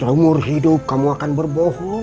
seumur hidup kamu akan berbohong